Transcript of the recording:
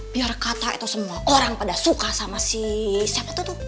biar kata itu semua orang pada suka sama si siapa itu tuh